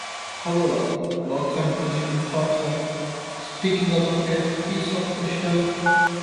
However, Lord continues to taunt her, speaking out of a piece of crystal.